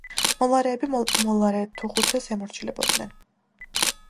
მოლარეები მოლარეთუხუცესს ემორჩილებოდნენ.